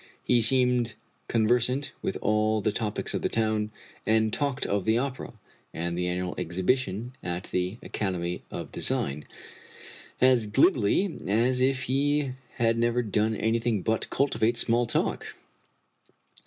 He seemed conversant with all the topics of the town, and talked of the opera, and the annual exhibition at the Academy of Design, as glibly as if he had never done anything but cultivate small talk.